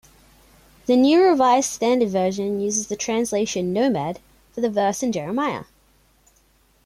The New Revised Standard Version uses the translation "nomad" for the verse in Jeremiah.